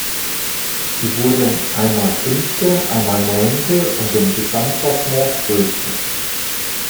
Sie wurden einmal Fünfte, einmal Neunte und im Gesamtklassement Zwölfte.